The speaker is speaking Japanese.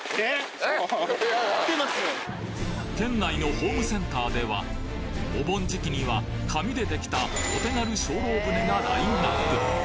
県内のホームセンターではお盆時期には紙でできたお手軽精霊船がラインナップ